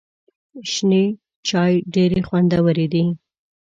شنې چای ډېري خوندوري دي .